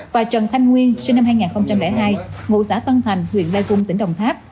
và trần thanh nguyên sinh năm hai nghìn hai ngụ xã tân thành huyện lai vung tỉnh đồng tháp